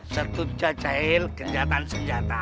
setujat cahil kenjatan senjata